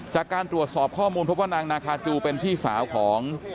จากการตรวจสอบข้อมูลพบว่านางนาคาจูเป็นพี่สาวของ